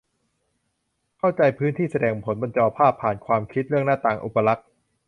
เข้าใจ 'พื้นที่แสดงผลบนจอภาพ' ผ่าน ความคิดเรื่อง 'หน้าต่าง' อุปลักษณ์